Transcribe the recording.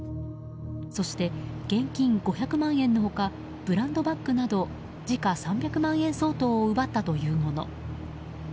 そして現金５００万円の他ブランドバッグなど時価３００万円相当を奪ったというもの。